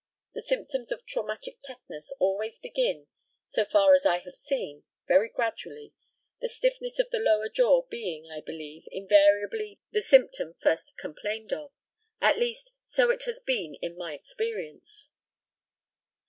The symptoms of traumatic tetanus always begin, so far as I have seen, very gradually, the stiffness of the lower jaw being, I believe, invariably, the symptom first complained of at least, so it has been in my experience.